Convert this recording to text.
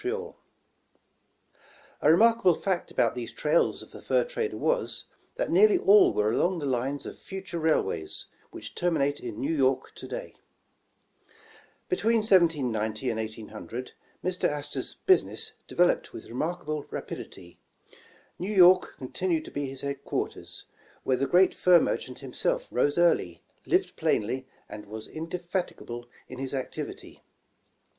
119 The Original John Jacob Astor A remarkable fact about these trails of the fur trader was, that nearly all were along the lines of future rail ways, which terminate in New York to day. Between 1790 and 1800, Mr. Astor 's business devel oped with remarkable rapidity. New York continued to be his headquarters, where the great fur merchant him self rose early, lived plainly, and was indefatigable in his activity.